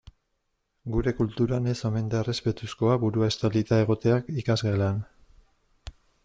Gure kulturan ez omen da errespetuzkoa burua estalita egotea ikasgelan.